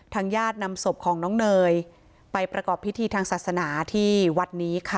ญาตินำศพของน้องเนยไปประกอบพิธีทางศาสนาที่วัดนี้ค่ะ